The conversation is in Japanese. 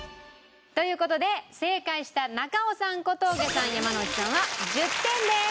という事で正解した中尾さん小峠さん山之内さんは１０点です。